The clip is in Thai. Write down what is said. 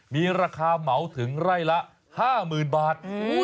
มีราคาเหมาถึงไร่ละ๕๐๐๐บาท